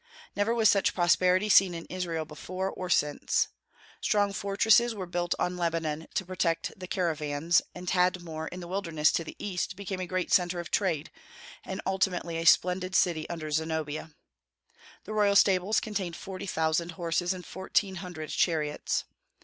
Never was such prosperity seen in Israel before or since. Strong fortresses were built on Lebanon to protect the caravans, and Tadmor in the wilderness to the east became a great centre of trade, and ultimately a splendid city under Zenobia. The royal stables contained forty thousand horses and fourteen hundred chariots.